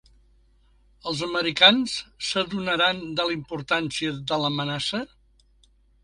Els americans s’adonaran de la importància de l’amenaça?